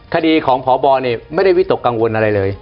คดีของพบไม่ได้วิตกกังวลอะไรเลย